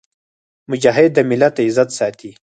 مجاهد د ملت عزت ساتي.